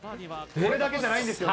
これだけじゃないんですよね。